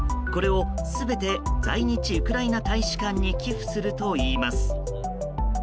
これを全て在日ウクライナ大使館に寄付するといいます。